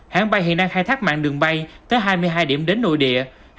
hãng bay hiện đang khai thác mạng đường bay tới hai mươi hai điểm đến nội địa